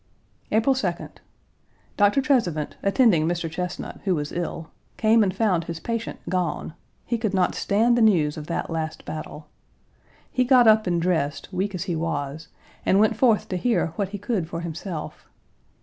April 2d. Dr. Trezevant, attending Mr. Chesnut, who was ill, came and found his patient gone; he could not stand the news of that last battle. He got up and dressed, weak as he was, and went forth to hear what he could for himself.